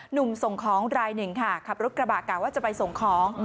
หนุ่มส่งของรายหนึ่งค่ะขับรถกระบะกะว่าจะไปส่งของ